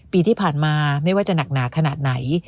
ปีที่ผ่านมาไม่ว่าจะหนักหนาขนาดไหน